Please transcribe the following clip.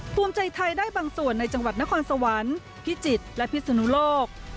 ภูมิใจไทยได้บางส่วนในจังหวัดนครสวรรค์พิจิตรและพิศนุโลก